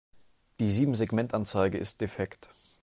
Die Siebensegmentanzeige ist defekt.